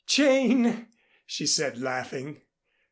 "Jane," she said laughing.